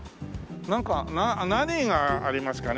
なんか何がありますかね？